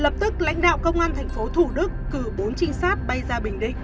lập tức lãnh đạo công an thành phố thủ đức cử bốn trinh sát bay ra bình định